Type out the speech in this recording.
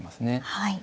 はい。